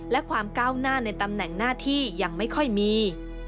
และความก้าวหน้าในตำแหน่งหน้าที่ยังไม่ค่อยมี